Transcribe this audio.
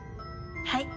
はい。